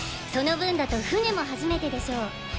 その分だと船も初めてでしょう？